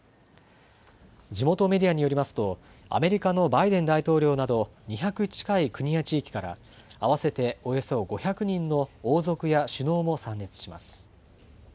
地元メディアによりますと、アメリカのバイデン大統領など、２００近い国や地域から、合わせておよそ５００人の王族や首脳も参列します。